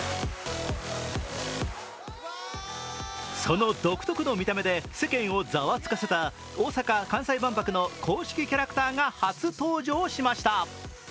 その独特の見た目で世間をざわつかせた大阪・関西万博の公式キャラクターが初登場しました。